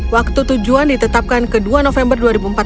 waktu tujuan ditetapkan ke dua november dua ribu empat belas